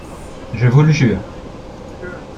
Je vous le jure…